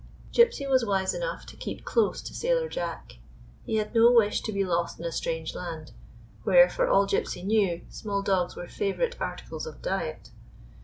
Gypsy was wise enough to keep close to sailor Jack. He had no wish to be lost in a strange land, where, for all Gypsy knew, small dogs were favorite articles of diet.